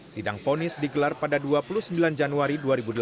sidang ponis digelar pada dua puluh sembilan januari dua ribu delapan belas